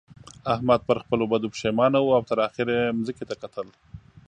احمد پر خپلو بدو پېښمانه وو او تر اخېره يې ځمکې ته کتل.